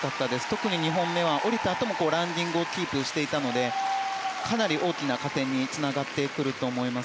特に２本目は降りたあともランディングをキープしていたのでかなり大きな加点につながると思います。